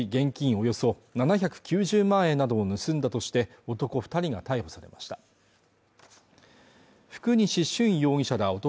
およそ７９０万円などを盗んだとして男二人が逮捕されました福西舜容疑者ら男